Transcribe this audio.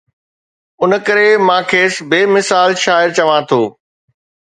ان ڪري مان کيس بي مثال شاعر چوان ٿو.